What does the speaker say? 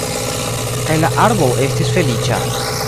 Kaj la arbo estis feliĉa.